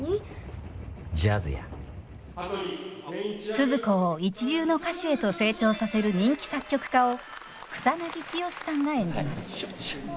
スズ子を一流の歌手へと成長させる人気作曲家を草剛さんが演じます。